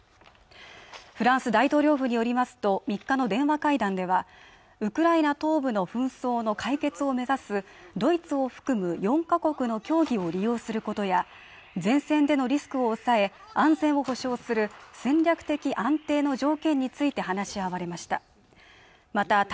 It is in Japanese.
フランス大統領府によりますと３日の電話会談ではウクライナ東部の紛争の解決を目指すドイツを含む４か国の協議を利用する事や前線でのリスクを抑え安全を保障する戦略的安定の条件について話し合われました